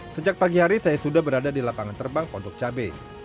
sejak pagi hari saya sudah berada di lapangan terbang pondok cabai